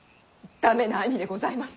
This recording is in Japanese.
情けない兄でございます！